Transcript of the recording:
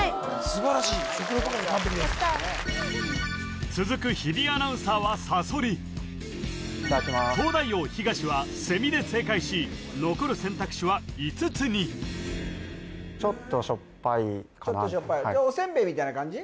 素晴らしい食リポでも完璧です続く日比アナウンサーはサソリ東大王東はセミで正解し残る選択肢は５つにちょっとしょっぱいかなおせんべいみたいな感じ？